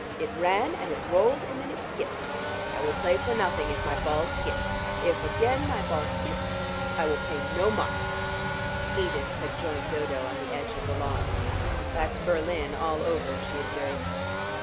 It ran and it rolled and then it skipped. I play for nothing if my ball skips. If again my ball skips, I will pay no marks." Edith had joined Dodo on the edge of the lawn. "That's Berlin all over," she observed.